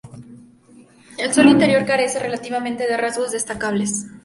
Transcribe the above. El suelo interior carece relativamente de rasgos destacables.